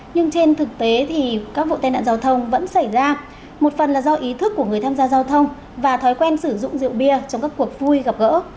nhưng trên thực tế thì các vụ tai nạn giao thông vẫn xảy ra một phần là do ý thức của người tham gia giao thông và thói quen sử dụng rượu bia trong các cuộc vui gặp gỡ